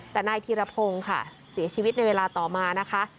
แต่นายธีรพงศ์ค่ะเสียชีวิตในเวลาต่อมานะคะ